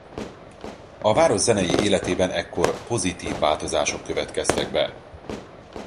A város zenei életében ekkor pozitív változások következtek be.